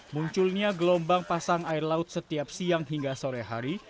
munculnya gelombang pasang air laut setiap siang hingga sore hari